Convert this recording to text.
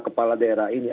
kepala daerah ini